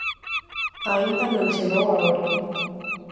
Aínda non chegou a hora.